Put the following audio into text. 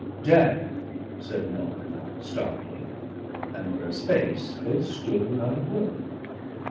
"Death," said Melville starkly, and for a space both stood without a word.